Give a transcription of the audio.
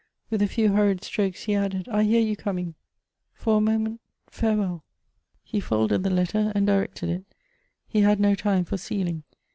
With a few. hurried strokes he added :" I hear you coming. For a moment, farewell !" Elective Affinities. 301 He folded the letter, and directed it. He had no time for sealing.